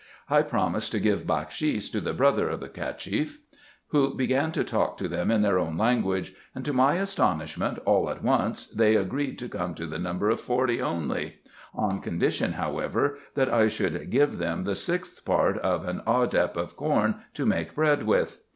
I promised to give bakshis to the brother of the Cacheff, who began to talk to them in their own language ; and to my astonishment all at once they agreed to come to the number of forty only ; on condition, however, that I should give IN EGYPT, NUBIA, &c. 97 them the sixth part of an ardep of corn to make bread with.